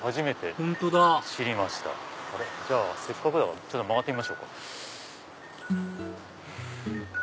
本当だじゃあせっかくだから曲がってみましょうか。